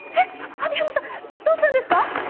網浜さんどうしたんですか？